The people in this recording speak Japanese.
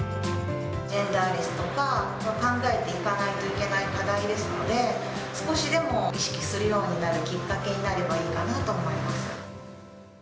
ジェンダーレスとか、考えていかないといけない課題ですので、少しでも意識するようになるきっかけになればいいかなと思います。